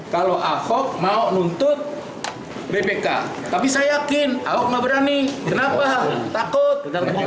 kalau ahok mau nuntut bpk tapi saya yakin ahok nggak berani kenapa takut